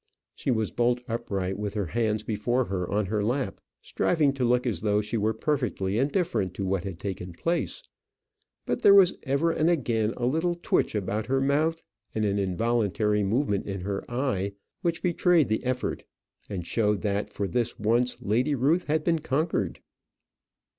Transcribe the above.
She was bolt upright, with her hands before her on her lap, striving to look as though she were perfectly indifferent to what had taken place. But there was ever and again a little twitch about her mouth, and an involuntary movement in her eye which betrayed the effort, and showed that for this once Lady Ruth had conquered.